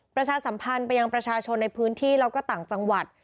ประชาสัมพันธ์ไปยังประชาชนในพื้นที่แล้วก็ต่างจังหวัด